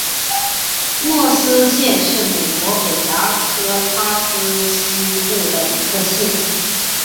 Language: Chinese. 默瑟县是美国北达科他州西部的一个县。